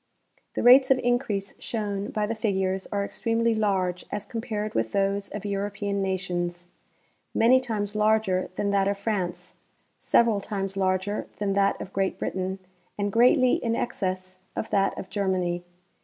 The rates of increase shown by the figures are extremely large as compared with those of European nations ; many times larger than that of France, several times larger than that of Great Britain, and greatly in excess of that of Germany.